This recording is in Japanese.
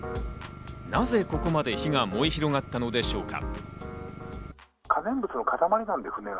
なぜここまで火が燃え広がったのでしょうか？